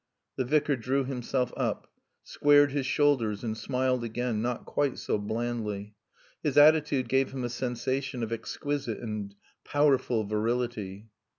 The Vicar drew himself up, squared his shoulders and smiled again, not quite so blandly. His attitude gave him a sensation of exquisite and powerful virility.